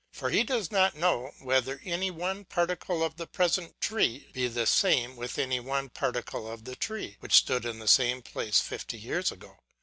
For he does not know, whether any one particle of the present tree be the same with any one particle of the tree which stood in the same place fifty years ago.